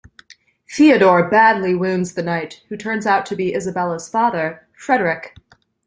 Theodore badly wounds the knight, who turns out to be Isabella's father, Frederic.